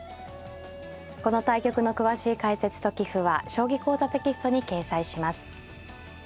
この対局の詳しい解説と棋譜は「将棋講座」テキストに掲載します。